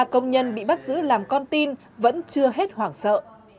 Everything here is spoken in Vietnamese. ba công nhân bị bắt giữ làm con tin vẫn chưa hết hoảng sợ